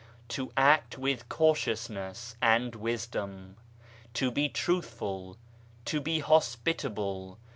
"To act with cautiousness and wis dom. "To be truthful. "To be hospitable.